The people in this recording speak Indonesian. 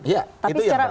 ya itu yang pertama